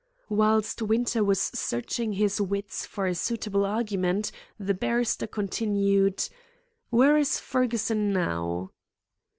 Whilst Winter was searching his wits for a suitable argument, the barrister continued: "Where is Fergusson now?"